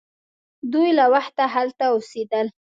دوی له وخته هلته اوسیدل.